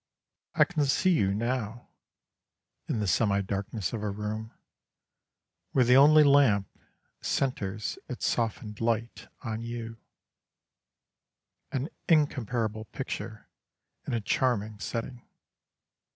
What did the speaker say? I can see you now, in the semi darkness of a room where the only lamp centres its softened light on you an incomparable picture in a charming setting.